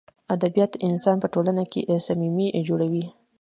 ادبیات انسان په ټولنه کښي صمیمي جوړوي.